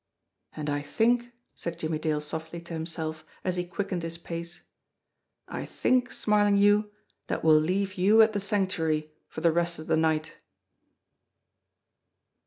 "And I think," said Jimmie Dale softly to himself, as he quickened his pace, "I think, Smarlinghue, that we'll leave you at the Sanctuary for the rest of the night!"